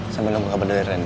sambil nunggu kabar dari randy